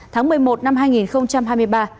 tháng một mươi một năm hai nghìn hai mươi ba